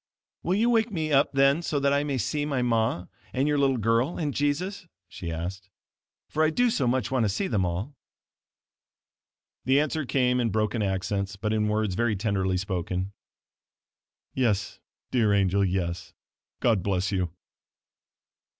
"Will you wake me up then so that I may see my ma and your little girl and Jesus?" she asked, "for I do so much want to see them all." The answer came in broken accents but in words very tenderly spoken "Yes, dear angel, yes. God bless you."